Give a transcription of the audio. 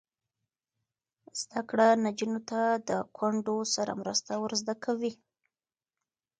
زده کړه نجونو ته د کونډو سره مرسته ور زده کوي.